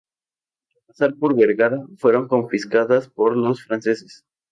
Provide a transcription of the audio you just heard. Al pasar por Vergara fueron confiscadas por los franceses.